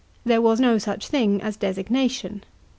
There was no such thing as designation.